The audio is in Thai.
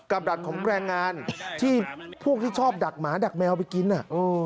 ดักของแรงงานที่พวกที่ชอบดักหมาดักแมวไปกินน่ะ